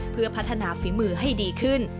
เพื่อพัฒนาฝีมือให้ดีขึ้น